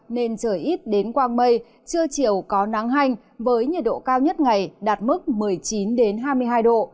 nên trời ít đến quang mây trưa chiều có nắng hành với nhiệt độ cao nhất ngày đạt mức một mươi chín hai mươi hai độ